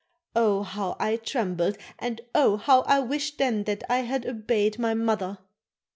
Oh! how I trembled and oh! how I wished then that I had obeyed my mother.